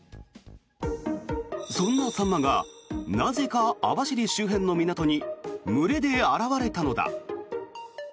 そんなサンマがなぜか網走周辺の港に群れで現れたのだ。